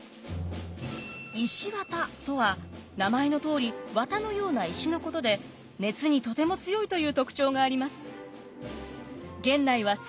石綿とは名前のとおり綿のような石のことで熱にとても強いという特徴があります。